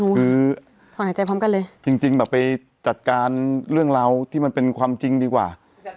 คือถอนหายใจพร้อมกันเลยจริงจริงแบบไปจัดการเรื่องราวที่มันเป็นความจริงดีกว่า